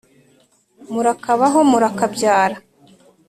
murakabaho murakabyara